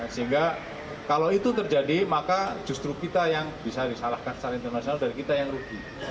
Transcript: sehingga kalau itu terjadi maka justru kita yang bisa disalahkan secara internasional dan kita yang rugi